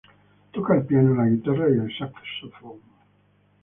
Toca el piano, la guitarra, y el saxofón.